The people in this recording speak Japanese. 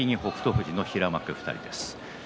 富士の平幕２人です。